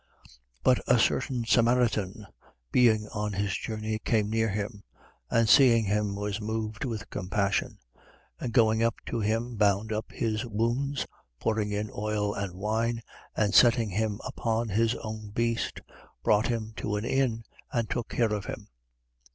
10:33. But a certain Samaritan, being on his journey, came near him: and seeing him, was moved with compassion: 10:34. And going up to him, bound up his wounds, pouring in oil and wine: and setting him upon his own beast, brought him to an inn and took care of him.